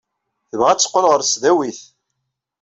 Tebɣa ad teqqel ɣer tesdawit.